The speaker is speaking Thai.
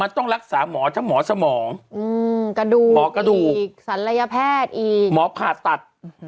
ต้องรักษาหมอทั้งหมอสมองกระดูกหมอกระดูกอีกศัลยแพทย์อีกหมอผ่าตัด